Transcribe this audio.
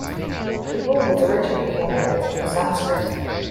The rule was originally formulated for Sanskrit.